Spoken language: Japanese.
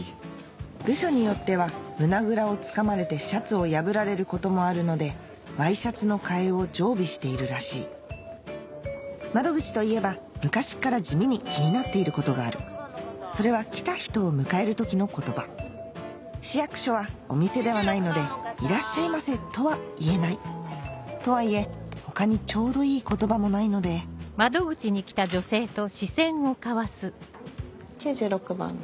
部署によっては胸ぐらをつかまれてシャツを破られることもあるのでワイシャツの替えを常備しているらしい窓口といえば昔から地味に気になっていることがあるそれは来た人を迎える時の言葉市役所はお店ではないので「いらっしゃいませ」とは言えないとはいえ他にちょうどいい言葉もないので９６番の方？